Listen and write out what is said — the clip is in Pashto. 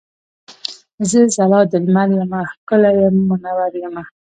زه ځلا د لمر یمه ښکلی مونور یمه.